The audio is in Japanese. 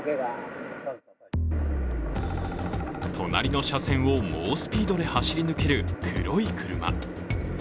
隣の車線を猛スピードで走り抜ける黒い車。